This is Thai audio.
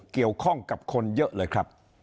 เกี่ยวข้องกับคนเยอะเลยครับ